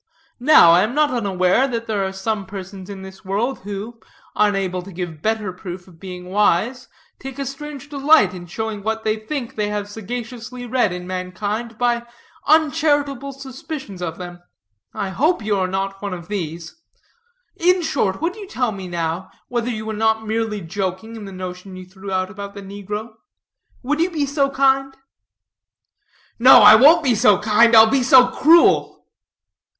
Now, I am not unaware that there are some persons in this world, who, unable to give better proof of being wise, take a strange delight in showing what they think they have sagaciously read in mankind by uncharitable suspicions of them. I hope you are not one of these. In short, would you tell me now, whether you were not merely joking in the notion you threw out about the negro. Would you be so kind?" "No, I won't be so kind, I'll be so cruel."